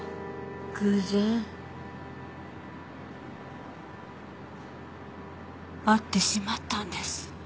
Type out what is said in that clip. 偶然会ってしまったんです。